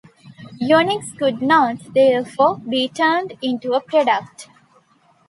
Unix could not, therefore, be turned into a product.